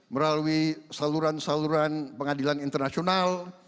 melalui saluran saluran pengadilan internasional